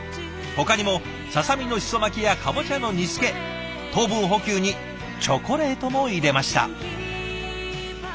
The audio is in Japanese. ほかにもささみのシソ巻きやかぼちゃの煮つけ糖分補給にチョコレートも入れました。